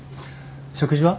食事は？